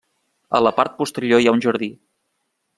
A la part posterior hi ha un jardí.